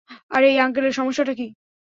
আর এই আঙ্কেলের সমস্যাটা কী?